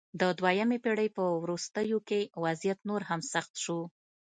د دویمې پېړۍ په وروستیو کې وضعیت نور هم سخت شو